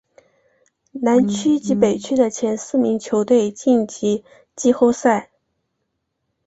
南区及北区的前四名球队晋级季后赛。